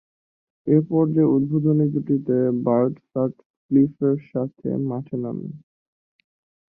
এ পর্যায়ে উদ্বোধনী জুটিতে বার্ট সাটক্লিফের সাথে মাঠে নামেন।